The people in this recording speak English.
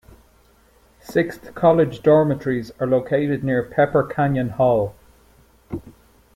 Sixth College dormitories are located near Pepper Canyon Hall.